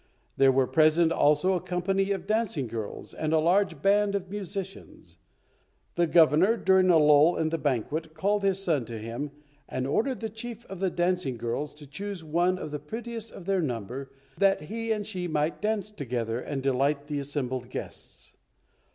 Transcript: There were present also a company of dancing girls and a large band of musicians. The Governor, during a lull in the banquet, called his son to him, and ordered the chief of the dancing girls to choose one of the prettiest of their number, that he and she might dance together and delight the assembled guests.